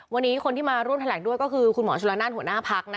วันนี้คนที่มาร่วมแถลงด้วยก็คือคุณหมอชุลนานหัวหน้าพัก